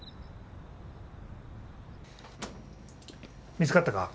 見つかったか？